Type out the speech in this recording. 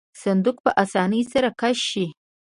صندوق په آسانۍ سره کش شي.